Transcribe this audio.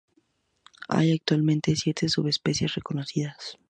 Hay actualmente siete subespecies reconocidas.